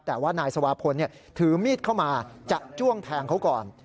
แต่ว่านายสวาพลถือมีดเข้ามาจะจ้วงแทงเขาก่อน